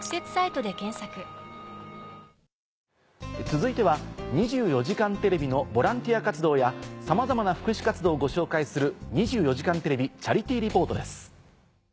続いては『２４時間テレビ』のボランティア活動やさまざまな福祉活動をご紹介する。